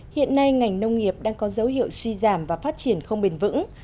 hiện nay ngành nông nghiệp đang có dấu hiệu suy giảm và phát triển không bền vững